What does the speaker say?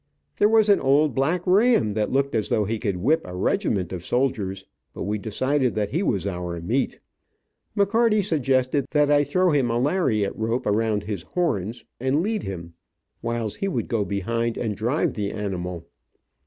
There was an old black ram that looked as though he could whip a regiment of soldiers, but we decided that he was our meat. McCarty suggested that I throw a lariet rope around his horns, and lead him, whiles, he would go behind and drive the animal.